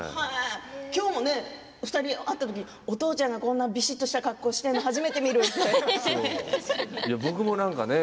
今日も２人が会った時お父ちゃんがこんなびしっとした格好してるの初めて見るって言ってましたね。